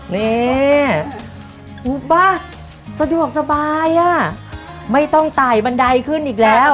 นี่ถูกป่ะสะดวกสบายอ่ะไม่ต้องไต่บันไดขึ้นอีกแล้ว